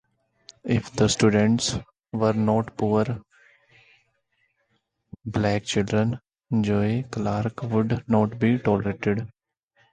If the students were not poor black children, Joe Clark would not be tolerated.